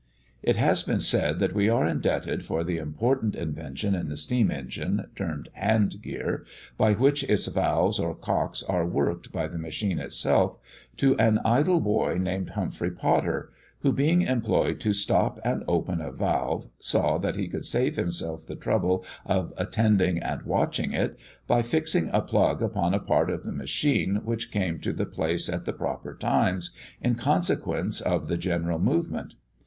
It has been said that we are indebted for the important invention in the steam engine, termed hand gear, by which its valves or cocks are worked by the machine itself, to an idle boy named Humphrey Potter, who, being employed to stop and open a valve, saw that he could save himself the trouble of attending and watching it, by fixing a plug upon a part of the machine which came to the place at the proper times, in consequence of the general movement.